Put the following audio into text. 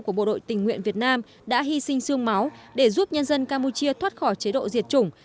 của bộ đội tình nguyện việt nam đã hy sinh sương máu để giúp nhân dân campuchia thoát khỏi chế độ diệt chủng